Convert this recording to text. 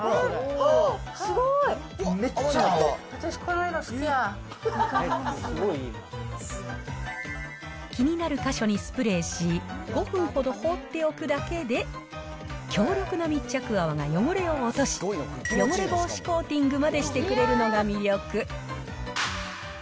あっ、すごい私、気になる箇所にスプレーし、５分ほど放っておくだけで、強力な密着泡が汚れを落とし、汚れ防止コーティングまでしてくれるのが魅力。